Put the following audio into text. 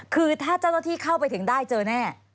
คือถ้าเจ้าหน้าที่เข้าไปถึงได้เจอแน่